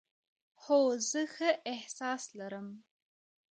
هو، زه ښه احساس لرم